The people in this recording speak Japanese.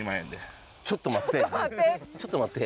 ちょっと待って。